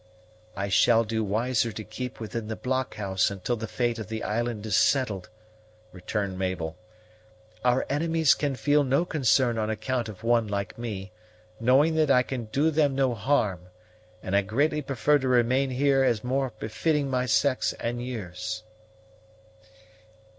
"I shall do wiser to keep within the blockhouse until the fate of the island is settled," returned Mabel. "Our enemies can feel no concern on account of one like me, knowing that I can do them no harm, and I greatly prefer to remain here as more befitting my sex and years."